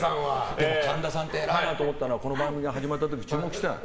でも神田さんってえらいなと思ったのはこの番組始まった時、注目したの。